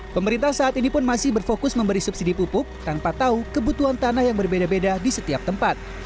pemerintah saat ini pun masih berfokus memberi subsidi pupuk tanpa tahu kebutuhan tanah yang berbeda beda di setiap tempat